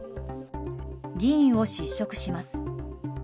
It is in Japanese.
議員を失職します。